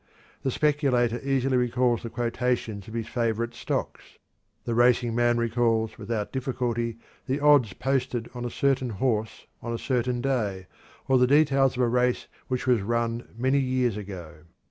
The speculator easily recalls the quotations of his favorite stocks. The racing man recalls without difficulty the "odds" posted on a certain horse on a certain day, or the details of a race which was run many years ago.